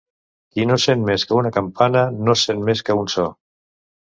Qui no sent més que una campana, no sent més que un so.